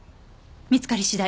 見つかり次第